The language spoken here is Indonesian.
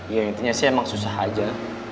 ya intinya sih emang susah aja